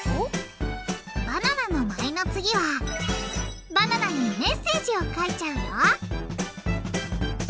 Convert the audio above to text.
「バナナの舞」の次はバナナにメッセージを書いちゃうよ！